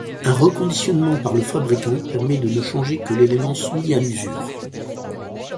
Un reconditionnement par le fabricant permet de ne changer que l’élément soumis à l’usure.